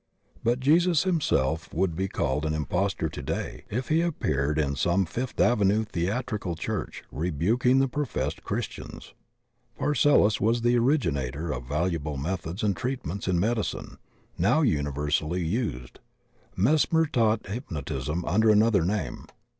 But Jesus himself would be called an impostor today if he appeared in some MESSENGERS CALLED IMPOSTORS 1 1 Fifth avenue theatrical church rebuking the professed Christians. Paracelsus was the originator of valuable methods and treatments in medicine now universally used. Mesmer taught hypnotism under another name.